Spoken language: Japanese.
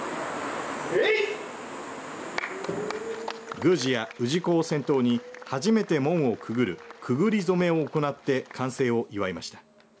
宮司や氏子を先頭に初めて門をくぐるくぐり初め行って完成を祝いました。